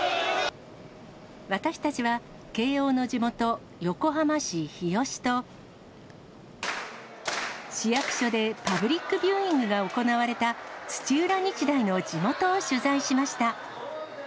私たちは慶応の地元、横浜市日吉と、市役所でパブリックビューイングが行われた、土浦日大の地元を取材しました。